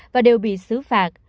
và đều bị xứ phạm